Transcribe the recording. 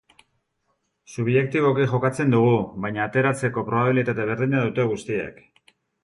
Subjektiboki jokatzen dugu, baina ateratzeko probabilitate berdina dute guztiek.